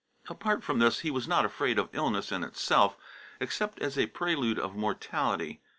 Apart from this, he was not afraid of illness in itself, except as a prelude of mortality.